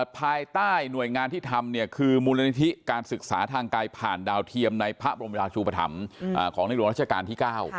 ภายใต้หน่วยงานที่ทำเนี่ยคือมูลนิธิการศึกษาทางไกลผ่านดาวเทียมในพระบรมราชูปธรรมของในหลวงราชการที่๙